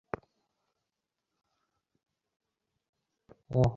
কেউ স্কুলে স্মার্টফোন বা স্মার্ট ডিভাইস নিয়ে গেলেও বন্ধ রাখতে হবে।